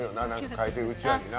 書いてるうちわな。